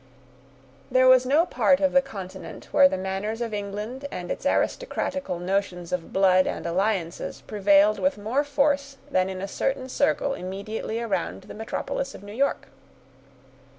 There was no part of the continent where the manners of England and its aristocratical notions of blood and alliances, prevailed with more force than in a certain circle immediately around the metropolis of New York.